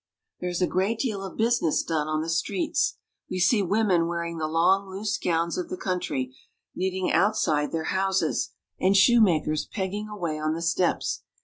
There is a great deal of business done on the streets. We see women wearing the long, loose gowns of the country, knitting outside their houses, and shoemakers pegging away on the steps.